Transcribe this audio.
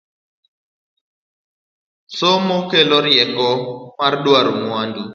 Somo kelo rieko mar duaro mwandu